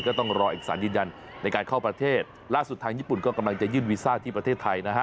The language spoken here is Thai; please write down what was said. ก็ต้องรอเอกสารยืนยันในการเข้าประเทศล่าสุดทางญี่ปุ่นก็กำลังจะยื่นวีซ่าที่ประเทศไทยนะฮะ